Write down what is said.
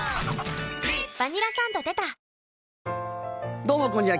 どうもこんにちは。